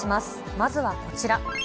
まずはこちら。